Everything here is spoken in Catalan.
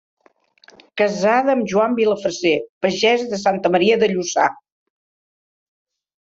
Casada amb Joan Vilafreser, pagès de Santa Maria de Lluçà.